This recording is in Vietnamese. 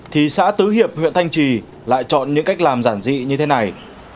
thì xã tứ hiệp huyện thanh trì lại chọn những cách làm giản dị như thế này